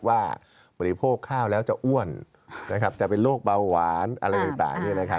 ว่าบริโภคข้าวแล้วจะอ้วนนะครับจะเป็นโรคเบาหวานอะไรต่างี้นะครับ